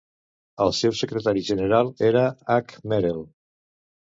El seu secretari general era H. Merel.